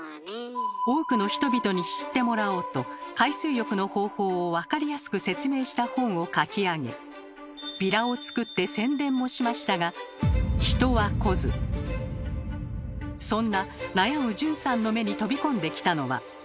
多くの人々に知ってもらおうと海水浴の方法をわかりやすく説明した本を書き上げビラを作って宣伝もしましたがそんな悩む順さんの目に飛び込んできたのは。